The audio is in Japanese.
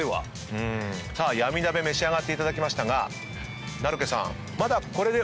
さあ闇鍋召し上がっていただきましたが成毛さん。